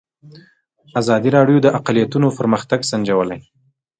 ازادي راډیو د اقلیتونه پرمختګ سنجولی.